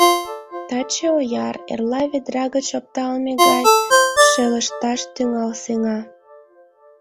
Таче ояр, эрла ведра гыч опталме гай шелышташ тӱҥал сеҥа.